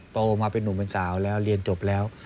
โตมาเป็นนุ่มเป็นสาวแล้วเรียนจบแล้ว